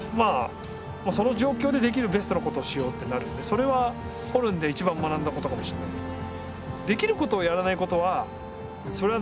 それはホルンで一番学んだことかもしれないですね。